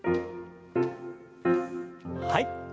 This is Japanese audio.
はい。